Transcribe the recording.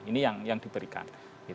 ini yang diberikan